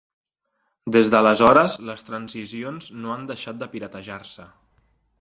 Des d'aleshores les transicions no han deixat de piratejar-se.